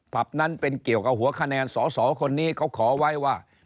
นั้นเป็นเกี่ยวกับหัวคะแนนสอสอคนนี้เขาขอไว้ว่า